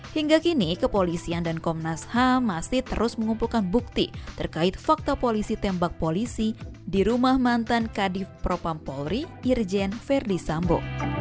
hingga kini kepolisian dan komnas ham masih terus mengumpulkan bukti terkait fakta polisi tembak polisi di rumah mantan kadif propam polri irjen verdi sambo